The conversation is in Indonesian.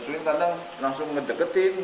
tetap dengan kebaikan